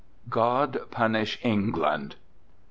GOD PUNISH ENGLAND!"